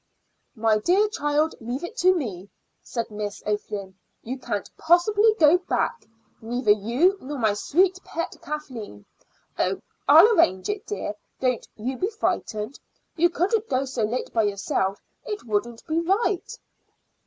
"My dear child, leave it to me," said Miss O'Flynn. "You can't possibly go back neither you nor my sweet pet Kathleen. Oh, I'll arrange it, dear; don't you be frightened. You couldn't go so late by yourself; it wouldn't be right."